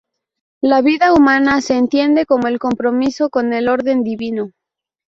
La vida humana se entiende como el compromiso con el orden divino.